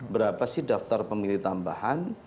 berapa sih daftar pemilih tambahan